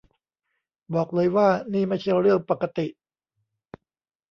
บอกเลยว่านี่ไม่ใช่เรื่องปกติ